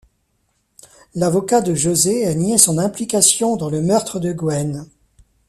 L'avocat de José a nié son implication dans le meurtre de Gwen.